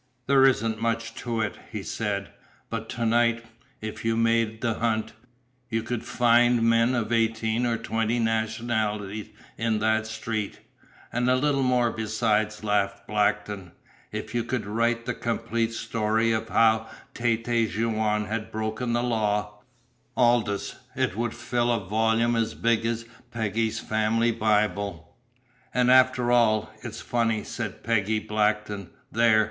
"There isn't much to it," he said, "but to night, if you made the hunt, you could find men of eighteen or twenty nationalities in that street." "And a little more besides," laughed Blackton. "If you could write the complete story of how Tête Jaune has broken the law, Aldous, it would fill a volume as big as Peggy's family Bible!" "And after all, it's funny," said Peggy Blackton. "There!"